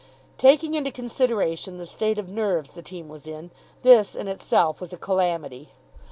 Taking into consideration the state of nerves the team was in, this in itself was a calamity.